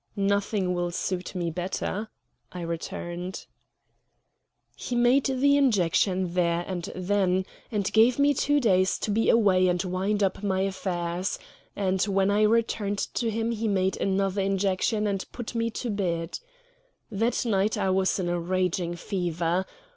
"Nothing will suit me better," I returned. He made the injection there and then, and gave me two days to be away and wind up my affairs; and when I returned to him he made another injection and put me to bed. That night I was in a raging fever.